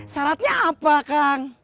syaratnya apa kang